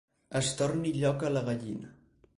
Es torni lloca la gallina.